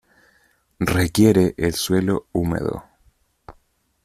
Requiere el suelo húmedo.